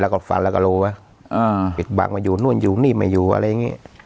แล้วก็ฟันแล้วก็รู้ไว้ปิดบังว่าอยู่นู่นอยู่นี่ไม่อยู่อะไรอย่างนี้